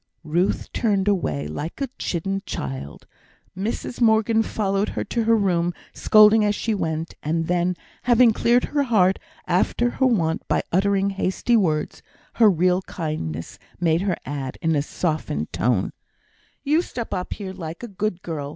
Ruth turned away like a chidden child. Mrs Morgan followed her to her room, scolding as she went; and then, having cleared her heart after her wont by uttering hasty words, her real kindness made her add, in a softened tone: "You stop up here like a good girl.